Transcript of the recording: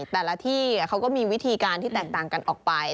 แต่ละที่เขาก็มีวิธีการที่แตกต่างกันออกไป